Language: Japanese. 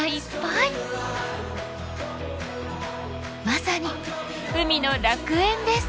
まさに海の楽園です。